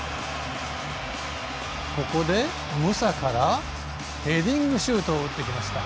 ここでムサからヘディングシュートを打ってきました